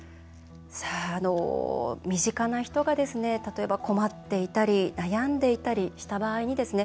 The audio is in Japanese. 身近な人が、例えば困っていたり悩んでいたりした場合にですね